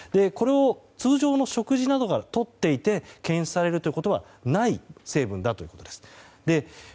これを通常の食事などからとっていて検出されることはない成分だということです。